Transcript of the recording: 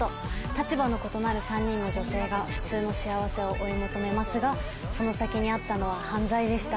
立場の異なる３人の女性が普通の幸せを追い求めますがその先にあったのは犯罪でした。